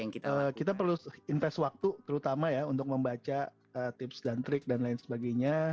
kita perlu invest waktu terutama ya untuk membaca tips dan trik dan lain sebagainya